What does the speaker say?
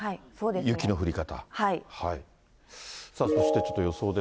雪の降り方。